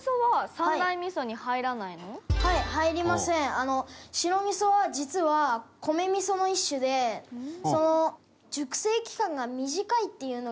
あの白味噌は実は米味噌の一種でその熟成期間が短いっていうのが特徴ですね。